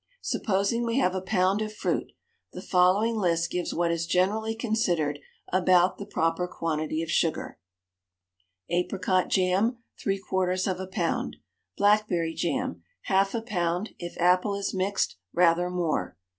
Supposing we have a pound of fruit, the following list gives what is generally considered about the proper quantity of sugar APRICOT JAM. Three quarters of a pound. BLACKBERRY JAM. Half a pound; if apple is mixed, rather more.